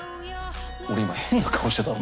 俺今変な顔してたろ